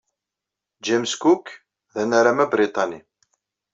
James Cook d anaram abriṭani.